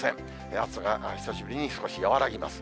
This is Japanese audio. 暑さが久しぶりに少し和らぎます。